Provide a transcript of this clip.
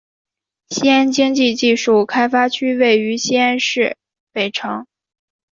西安经济技术开发区位于西安市北城。